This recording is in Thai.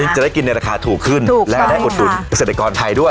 จะได้กินในราคาถูกขึ้นและได้อุดหนุนเกษตรกรไทยด้วย